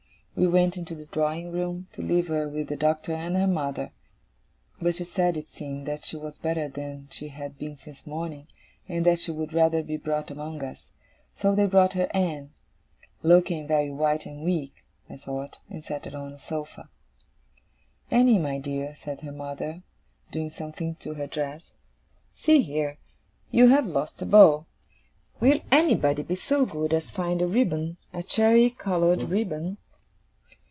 We went into the drawing room, to leave her with the Doctor and her mother; but she said, it seemed, that she was better than she had been since morning, and that she would rather be brought among us; so they brought her in, looking very white and weak, I thought, and sat her on a sofa. 'Annie, my dear,' said her mother, doing something to her dress. 'See here! You have lost a bow. Will anybody be so good as find a ribbon; a cherry coloured ribbon?